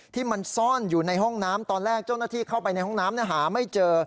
ที่มันซ่อนอยู่ในห้องน้ำตอนแรกเจ้าหน้าที่เข้าไปในห้องน้ำหาไม่เจอ